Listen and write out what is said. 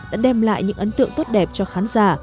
đã đem lại những ấn tượng tốt đẹp cho khán giả